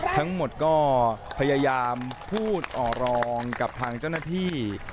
ทั้งหมดก็พยายามพูดอ่อรองกับทางเจ้าหน้าที่